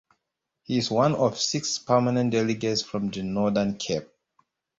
He is one of six permanent delegates from the Northern Cape.